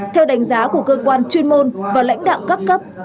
theo đánh giá của cơ quan chuyên môn và lãnh đạo các cấp